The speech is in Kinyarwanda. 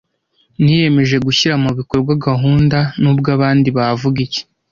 Niyemeje gushyira mubikorwa gahunda nubwo abandi bavuga iki.